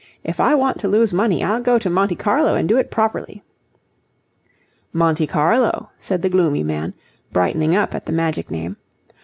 If I want to lose money, I'll go to Monte Carlo and do it properly." "Monte Carlo," said the gloomy man, brightening up at the magic name.